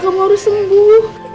kamu harus sembuh